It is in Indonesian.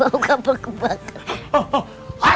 bau kabel kebakar